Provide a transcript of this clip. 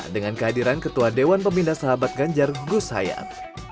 dengan kehadiran ketua dewan pemindah sahabat ganjar gus hayat